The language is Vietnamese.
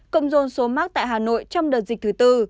cộng dồn số mắc tại hà nội trong đợt dịch thứ bốn